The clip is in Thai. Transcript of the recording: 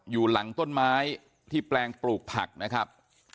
อยู่หลังต้นไม้ที่แปลงปลูกผักนะครับ